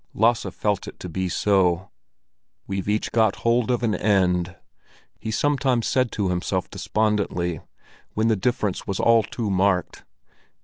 Lasse felt it to be so. "We've each got hold of an end," he sometimes said to himself despondently, when the difference was all too marked.